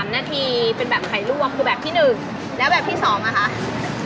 ๓นาทีเป็นแบบไข่ลวกคือแบบที่๑แล้วแบบที่๒นะคะ